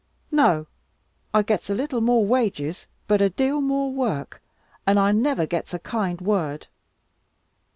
No, I gets a little more wages, but a deal more work, and I never gets a kind word.